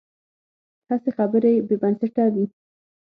هسې خبرې بې بنسټه وي.